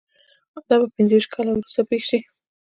دا به پنځه ویشت کاله وروسته پېښ شي